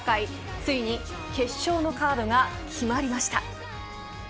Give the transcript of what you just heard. ついに決勝のカードが決まりました。